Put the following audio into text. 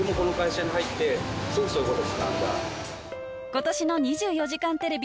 今年の２４時間テレビ